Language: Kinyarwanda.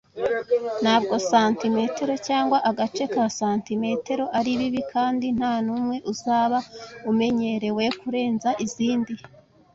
Ntabwo santimetero cyangwa agace ka santimetero ari bibi, kandi ntanumwe uzaba umenyerewe kurenza izindi.